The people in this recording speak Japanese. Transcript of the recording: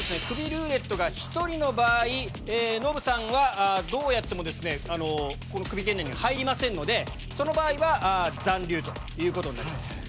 クビルーレットが１人の場合ノブさんはどうやってもクビ圏内には入りませんのでその場合は残留ということになります。